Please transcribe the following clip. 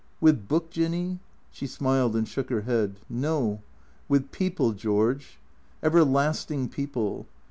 "With Book, Jinny?" She smiled and shook her head. " No. With people, George. Everlasting people.